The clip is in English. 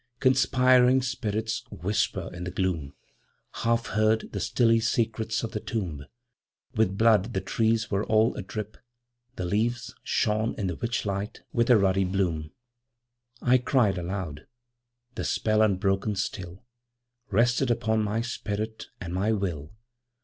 'Conspiring spirits whispered in the gloom, Half heard, the stilly secrets of the tomb. With blood the trees were all adrip; the leaves Shone in the witch light with a ruddy bloom. 'I cried aloud! the spell, unbroken still, Rested upon my spirit and my will.